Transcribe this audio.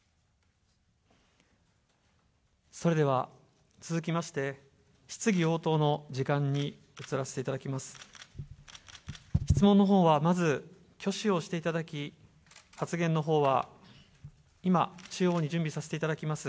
それでは続きまして、質疑応答の時間に移らせていただきます。